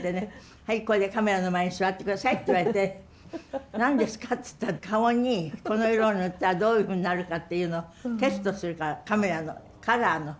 はいこれでカメラの前に座って下さいって言われて何ですかって言ったら顔にこの色を塗ったらどういうふうになるかっていうのをテストするからカメラのカラーの。